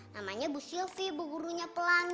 namanya bu sylvi bu gurunya pelangi